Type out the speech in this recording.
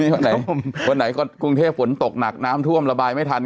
วันไหนวันไหนก็กรุงเทพฝนตกหนักน้ำท่วมระบายไม่ทัน